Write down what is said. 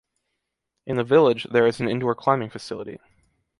In the village, there is an indoor climbing facility.